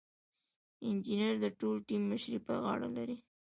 انجینر د ټول ټیم مشري په غاړه لري.